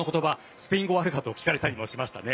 スペイン語はあるかと聞かれたりしましたね。